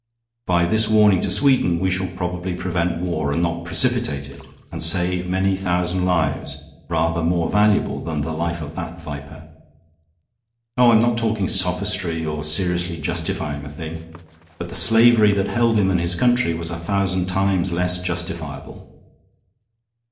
By this warning to Sweden we shall probably prevent war and not precipitate it, and save many thousand lives rather more valuable than the life of that viper. Oh, I'm not talking sophistry or seriously justifying the thing, but the slavery that held him and his country was a thousand times less justifiable.